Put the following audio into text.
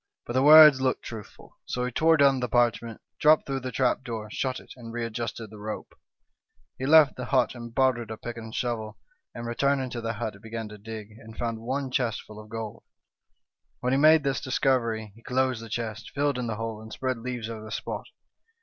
But the words looked truthful ; so he tore down the parchment, dropped through the trap door, shut it, and readjusted the rope. He left the hut and borrowed a pick and shovel, and returning to the hut, he began to dig, and found one chest full of gold. When he made this discovery he closed the chest, filled in the hole, and spread leaves over the spot.